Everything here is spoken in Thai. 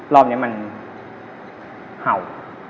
รอบนี้มันเห่า